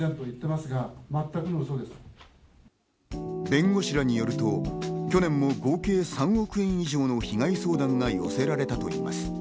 弁護士らによると、去年も合計３億円以上の被害相談が寄せられたといいます。